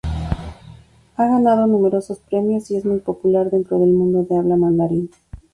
Ha ganado numerosos premios y es muy popular dentro del mundo de habla mandarín.